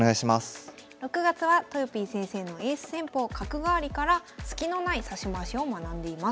６月はとよぴー先生のエース戦法角換わりからスキのない指し回しを学んでいます。